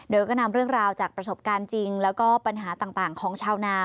โดยก็นำเรื่องราวจากประสบการณ์จริงแล้วก็ปัญหาต่างของชาวนา